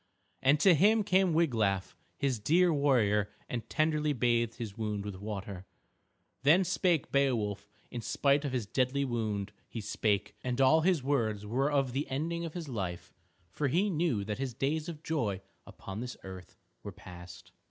And to him came Wiglaf his dear warrior and tenderly bathed his wound with water. Then spake Beowulf, in spite of his deadly wound he spake, and all his words were of the ending of his life, for he knew that his days of joy upon this earth were past.